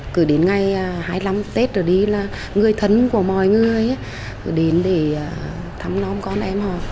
cứ đến ngày hai mươi năm tết rồi đi là người thân của mọi người cứ đến để thăm non con em họ